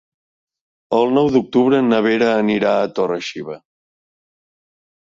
El nou d'octubre na Vera anirà a Torre-xiva.